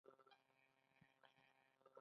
موږ هم په چکچکو بدرګه کړ.